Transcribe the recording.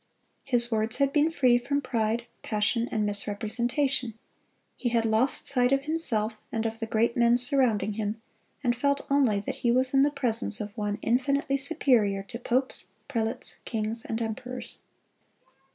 His words had been free from pride, passion, and misrepresentation. He had lost sight of himself, and of the great men surrounding him, and felt only that he was in the presence of One infinitely superior to popes, prelates, kings, and emperors.